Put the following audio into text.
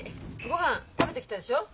ご飯食べてきたでしょう？